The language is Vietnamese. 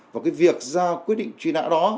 và cái việc ra quy định truy nã đó